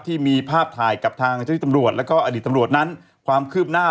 ที่มีภาพถ่ายกับทางเจ้าที่ตำรวจแล้วก็อดีตตำรวจนั้นความคืบหน้า